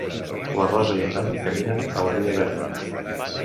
La Rosa i en Dani caminen a la via verda